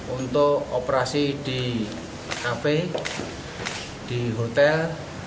untuk operasi di kafe di hotel